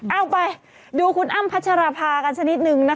เอาไปดูคุณอ้ำพัชราภากันสักนิดนึงนะคะ